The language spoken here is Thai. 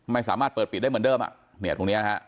ไม่สามารถเปิดปิดได้เหมือนเดิมอ่ะเนี่ยตรงเนี้ยฮะ